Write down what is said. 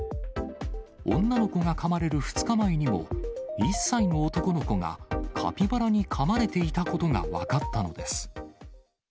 女の子がかまれる２日前にも、１歳の男の子がカピバラにかまれていたことが分かったのです。